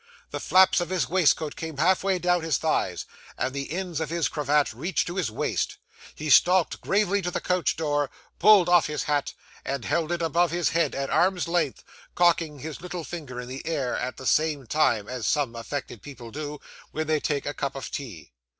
The flaps of his waist coat came half way down his thighs, and the ends of his cravat reached to his waist. He stalked gravely to the coach door, pulled off his hat, and held it above his head at arm's length, cocking his little finger in the air at the same time, as some affected people do, when they take a cup of tea.